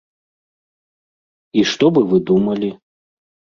І што бы вы думалі?